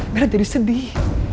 bel jadi sedih